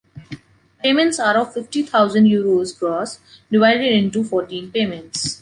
Payments are of fifty thousand euros gross, divided into fourteen payments.